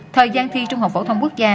thời gian thi trung học phổ thông quốc gia